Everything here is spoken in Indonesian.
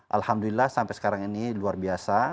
alhamdulillah sampai sekarang ini luar biasa